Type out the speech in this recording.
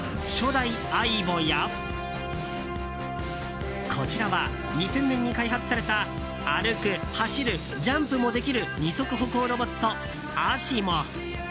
初代ＡＩＢＯやこちらは２０００年に開発された歩く、走るジャンプもできる二足歩行ロボットＡＳＩＭＯ。